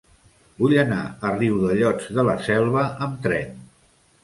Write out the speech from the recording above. Vull anar a Riudellots de la Selva amb tren.